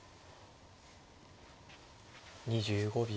２５秒。